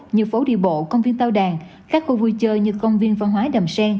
như phố đi bộ công viên tàu đàn các khu vui chơi như công viên văn hóa đầm sen